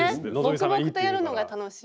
黙々とやるのが楽しい。